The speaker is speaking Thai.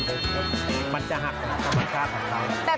แต่ธรรมชาติหนูสั้นมากนี่นะพ่อ